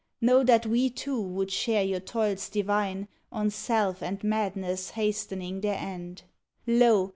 Know that we too would share your toils divine, On self and madness hastening their end. Lo